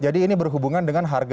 jadi ini berhubungan dengan harga